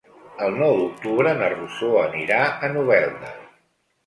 El nou d'octubre na Rosó anirà a Novelda.